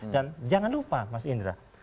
dan jangan lupa mas indra